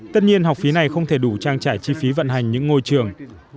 tất nhiên học phí này không thể đủ trang trải chi phí vận hành những ngôi trường